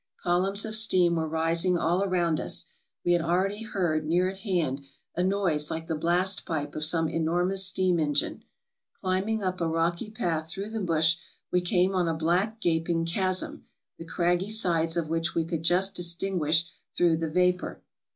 Col umns of steam were rising all around us. We had already heard, near at hand, a noise like the blast pipe of some MISCELLANEOUS 441 enormous steam engine. Climbing up a rocky path through the bush, we came on a black gaping chasm, the craggy sides of which we could just distinguish through the vapor.